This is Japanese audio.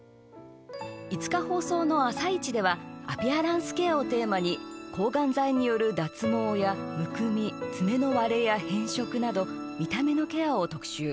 ５日放送の「あさイチ」ではアピアランスケアをテーマに抗がん剤による脱毛やむくみ、爪の割れや変色など見た目のケアを特集。